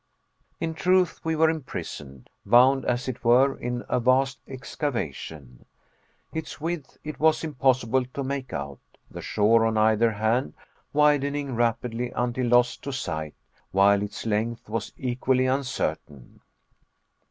In truth, we were imprisoned bound as it were, in a vast excavation. Its width it was impossible to make out; the shore, on either hand, widening rapidly until lost to sight; while its length was equally uncertain.